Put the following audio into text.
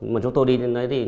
mà chúng tôi đi lên đấy